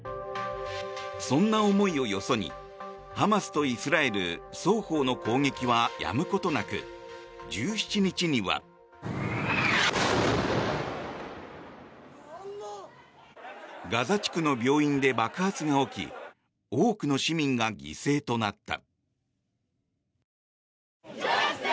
そんな思いをよそにハマスとイスラエル双方の攻撃はやむことなく１７日には。ガザ地区の病院で爆発が起き多くの市民が犠牲となった。